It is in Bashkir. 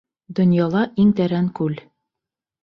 Донъяла иң тәрән күл.